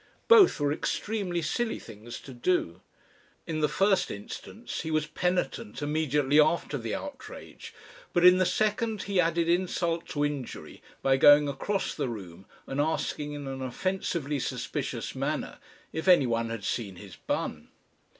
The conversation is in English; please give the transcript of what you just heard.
Both were extremely silly things to do. In the first instance he was penitent immediately after the outrage, but in the second he added insult to injury by going across the room and asking in an offensively suspicious manner if anyone had seen his bun.